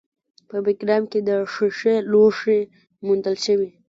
په بګرام کې د ښیښې لوښي موندل شوي